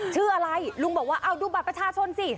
ชื่ออะไรลุงบอกว่าเอาดูบัตรประชาชนสิ